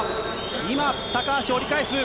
今、高橋折り返す。